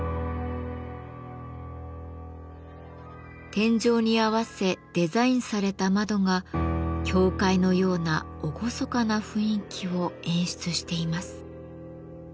天井に合わせデザインされた窓が教会のような厳かな雰囲気を演出しています。